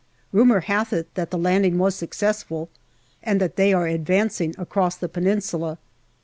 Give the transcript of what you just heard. Rumour hath it that the landing was successful, and that they are advancing across the Peninsula.